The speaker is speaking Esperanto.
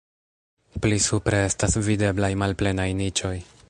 Pli supre estas videblaj malplenaj niĉoj.